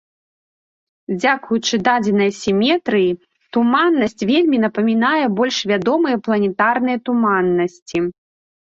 Дзякуючы дадзенай сіметрыі туманнасць вельмі напамінае больш вядомыя планетарныя туманнасці.